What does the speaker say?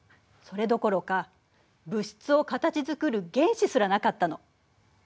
それどころか物質を形づくる原子すらなかったの。